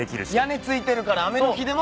屋根付いてるから雨の日でも。